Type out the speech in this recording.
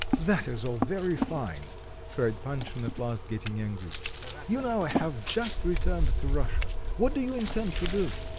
"That is all very fine!" cried Panshin at last, getting angry. "You now have just returned to Russia, what do you intend to do?"